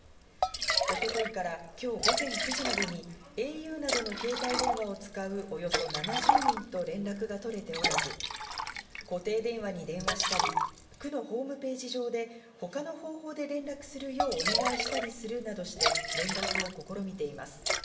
一昨日から今日午前９時までにａｕなどの携帯電話を使うおよそ７０人と連絡が取れておらず、固定電話に電話したり区のホームページ上で他の方法で連絡するようお願いしたりするなどして連絡を試みています。